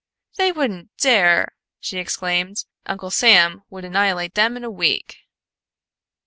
"They wouldn't dare!" she exclaimed. "Uncle Sam would annihilate them In a week."